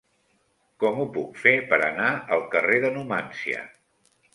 Com ho puc fer per anar al carrer de Numància?